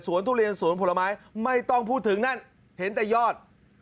ทุเรียนสวนผลไม้ไม่ต้องพูดถึงนั่นเห็นแต่ยอด